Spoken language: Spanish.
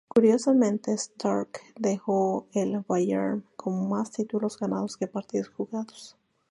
Curiosamente, Starke dejó el Bayern con mas títulos ganados que partidos jugados.